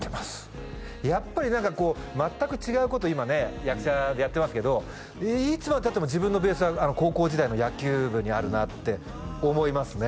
やっぱり何かこう全く違うこと今ね役者やってますけどいつまでたっても自分のベースは高校時代の野球部にあるなって思いますね